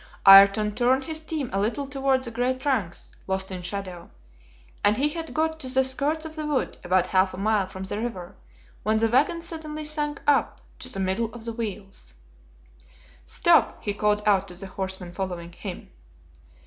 Ayrton turned his team a little toward the great trunks, lost in shadow, and he had got to the skirts of the wood, about half a mile from the river, when the wagon suddenly sank up to the middle of the wheels. "Stop!" he called out to the horsemen following him.